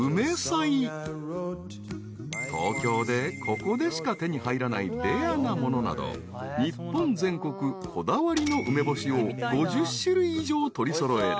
［東京でここでしか手に入らないレアなものなど日本全国こだわりの梅干しを５０種類以上取り揃える］